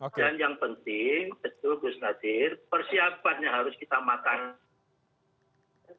dan yang penting betul gus nazir persiapannya harus kita matangkan